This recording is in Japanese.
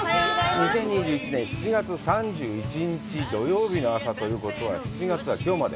２０２１年７月３１日土曜日の朝ということは、７月はきょうまで。